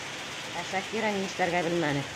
Ә Шакира ни эшләргә белмәне.